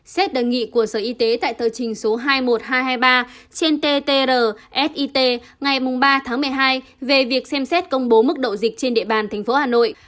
xét đề nghị của sở y tế tại tờ trình số hai mươi một nghìn hai trăm hai mươi ba trên ttr sit ngày ba tháng một mươi hai về việc xem xét công bố mức độ dịch trên địa bàn tp hà nội